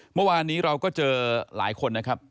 เมื่อวานนี้เราก็เจอหลายคนนะครับ